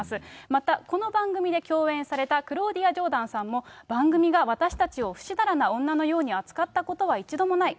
また、この番組で共演されたクローディア・ジョーダンさんも番組が私たちのふしだらな女のように扱ったことは一度もない。